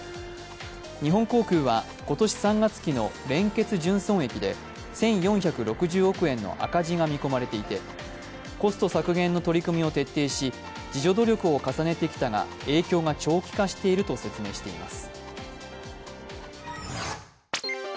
日本航空は今年３月期の連結純損益で１４６０億円の赤字が見込まれていてコスト削減の取り組みを徹底し自助努力を重ねてきたが影響が長期化していると説明しています。